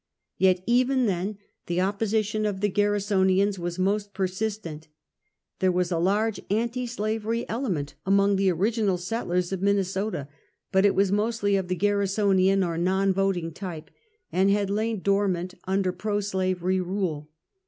Yet, even then, the opposition of the Garrisonians was most persistent. There was a large anti slavery element among the original settlers of Minnesota, but it was mostly of the Garrison ian or non voting type, and had lain dormant under pro slavery rule.